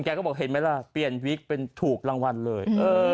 ก็บอกเห็นไหมล่ะเปลี่ยนวิกเป็นถูกรางวัลเลย